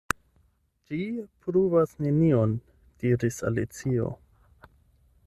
"Ĝi pruvas nenion," diris Alicio.